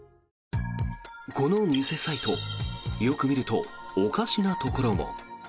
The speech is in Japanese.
この偽サイト、よく見るとおかしなところも。